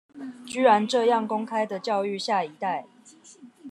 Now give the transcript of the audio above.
居然這樣公開的教育下一代